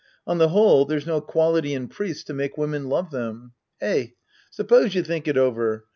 On the whole, there's no quality in priests to make women love them. Eh. Suppose you think it over.